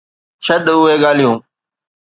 ڇڏ اهي ڳالهيون.